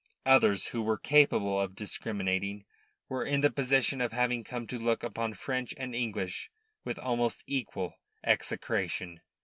Others, who were capable of discriminating, were in the position of having come to look upon French and English with almost equal execration.